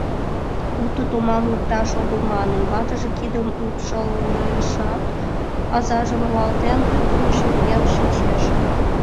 Уто тумам лукташ огыл манын, ватыже кидым лупшалешат, азажым руалтен, кухньыш миен шинчеш.